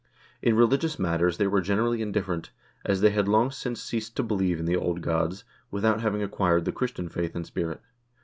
In religious matters they were generally indifferent, as they had long since ceased to believe in the old gods, without having acquired the Christian faith and spirit.